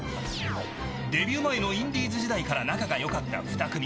デビュー前のインディーズ時代から仲が良かった２組。